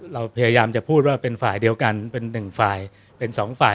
เราพยายามจะพูดว่าเป็นฝ่ายเดียวกันเป็นหนึ่งฝ่ายเป็นสองฝ่าย